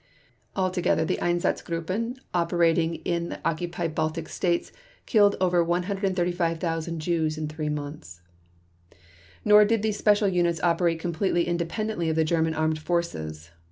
Altogether the Einsatzgruppen operating in the occupied Baltic States killed over 135,000 Jews in three months. Nor did these special units operate completely independently of the German Armed Forces.